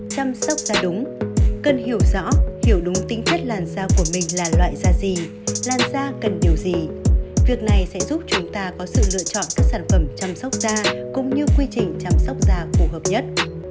chăm sóc ra đúng cần hiểu rõ hiểu đúng tính chất làn da của mình là loại da gì làn da cần điều gì việc này sẽ giúp chúng ta có sự lựa chọn các sản phẩm chăm sóc da cũng như quy trình chăm sóc da phù hợp nhất